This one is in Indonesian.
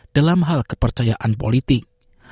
dalam hal kepercayaan politik